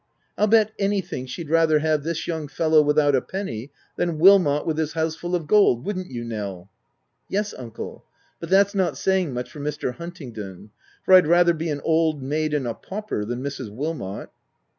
I'll bet anything she'd rather have this young fellow without a penny, than Wilmot with his house full of gold— Would'nt you Nell ?"" Yes uncle ; but that's not saying much for Mr. Huntingdon, for I'd rather be an old maid and a pauper, than Mrs. Wilmot."